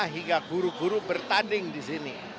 hingga guru guru bertanding di sini